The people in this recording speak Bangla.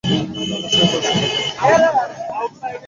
নার্ভাস হয়ে পড়ছে মনে হয়।